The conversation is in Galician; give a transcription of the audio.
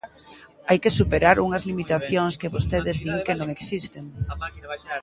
Hai que superar unhas limitacións que vostedes din que non existen.